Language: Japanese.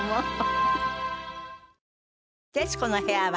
『徹子の部屋』は